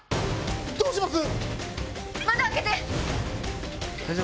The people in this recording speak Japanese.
どうします